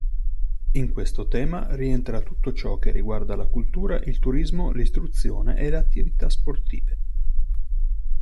In questo tema rientra tutto ciò che riguarda la cultura, il turismo, l'istruzione e le attività sportive.